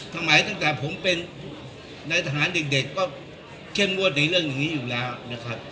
ตั้งแต่ผมเป็นนายทหารเด็กก็เข้มงวดในเรื่องอย่างนี้อยู่แล้วนะครับ